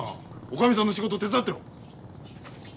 女将さんの仕事を手伝ってろ。